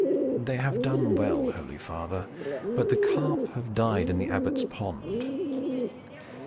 "They have done well, holy father, but the carp have died in the Abbot's pond."